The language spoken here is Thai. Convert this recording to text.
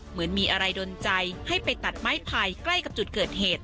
เหมือนมีอะไรดนใจให้ไปตัดไม้ไผ่ใกล้กับจุดเกิดเหตุ